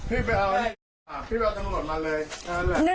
พี่ไปเอาพี่ไปเอาตำรวจมาเลย